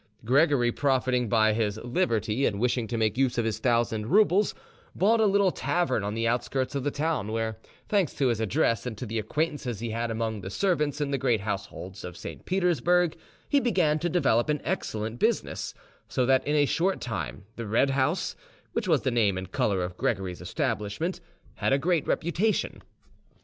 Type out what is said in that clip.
Gregory, profiting by his liberty and wishing to make use of his thousand roubles, bought a little tavern on the outskirts of the town, where, thanks to his address and to the acquaintances he had among the servants in the great households of St. Petersburg, he began to develop an excellent business, so that in a short time the Red House (which was the name and colour of Gregory's establishment) had a great reputation.